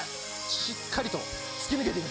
しっかりと突き抜けていく。